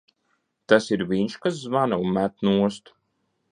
Tas ir viņš, kas zvana un met nost?